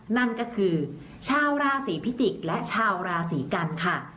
นั่นก็คือชาวราศีพิจิกษ์และชาวราศีกันค่ะ